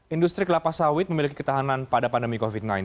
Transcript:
industri kelapa sawit memiliki ketahanan pada pandemi covid sembilan belas